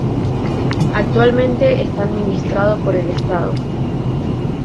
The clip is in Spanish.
Actualmente está administrado por el estado.